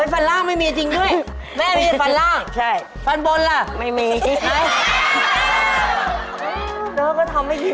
ฟันล่างไม่มีจริงด้วย